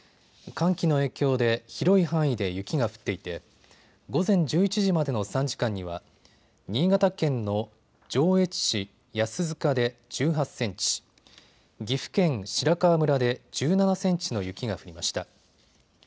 寒気の影響で広い範囲で雪が降っていて午前１１時までの３時間には新潟県の上越市安塚で１８センチ、岐阜県白川村で１７センチの雪が降りました。